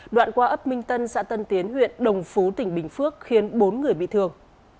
đoạn qua ấp minh tân xã tân tiến huyện đồng phú tỉnh bình phước khiến bốn người bị thương